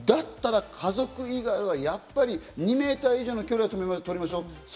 だったら家族以外はやっぱり２メートル以上の距離を取りましょう。